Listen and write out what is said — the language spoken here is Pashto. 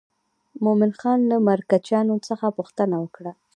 مومن خان له مرکچیانو څخه پوښتنه وکړه.